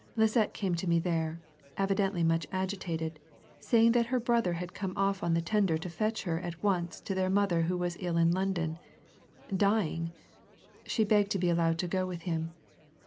Lisette came to me there, evidently much agitated, saying that her brother had come off on the tender to fetch her at once to their mother who was ill in London dying. She begged to be allowed to go with him.